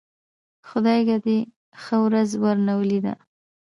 خدايکه دې ښه ورځ ورنه ولېده.